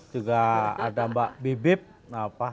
juga ada mbak bibip